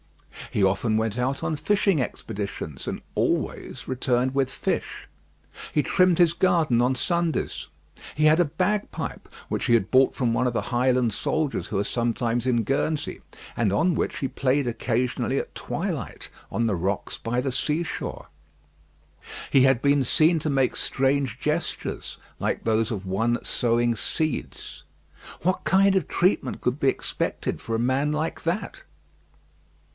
He often went out on fishing expeditions, and always returned with fish. He trimmed his garden on Sundays. He had a bagpipe which he had bought from one of the Highland soldiers who are sometimes in Guernsey, and on which he played occasionally at twilight, on the rocks by the seashore. He had been seen to make strange gestures, like those of one sowing seeds. What kind of treatment could be expected for a man like that?